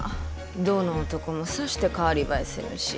どの男もさして代わり映えせぬし。